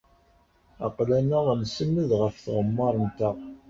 Aql-aneɣ nsenned ɣef tɣemmar-nteɣ.